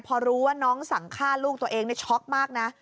พอรู้ว่าน้องสั่งฆ่าลูกตัวเองช็อกมากนะ